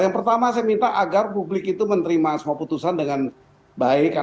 yang pertama saya minta agar publik itu menerima semua putusan dengan baik